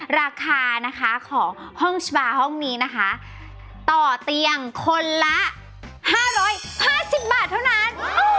ราคานะคะของห้องชบาร์ห้องนี้นะคะต่อเตียงคนละ๕๕๐บาทเท่านั้น